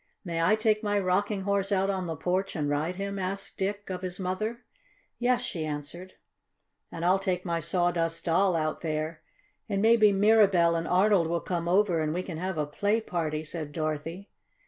"May I take my Rocking Horse out on the porch and ride him?" asked Dick of his mother. "Yes," she answered. "And I'll take my Sawdust Doll out there, and maybe Mirabell and Arnold will come over and we can have a play party," said Dorothy.